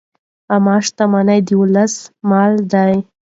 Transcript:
عامه شتمني د ولس مال دی.